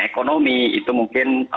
ekonomi itu mungkin